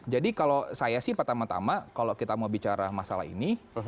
jadi kalau saya sih pertama tama kalau kita mau bicara masalah ini